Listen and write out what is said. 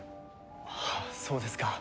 そうですか。